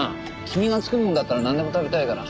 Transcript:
君が作るものだったらなんでも食べたいから。